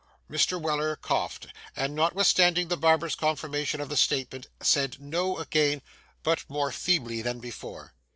Mr. Weller coughed, and notwithstanding the barber's confirmation of the statement, said 'No' again, but more feebly than before.